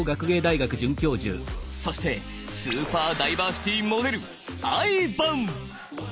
そしてスーパー・ダイバーシティモデルＩＶＡＮ！